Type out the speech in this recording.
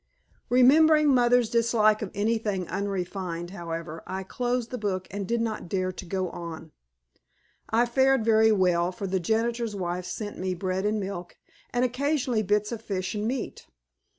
Remembering mother's dislike of anything unrefined, however, I closed the book and did not dare to go on. I fared very well, for the janitor's wife sent me bread and milk, and occasionally bits of fish and meat.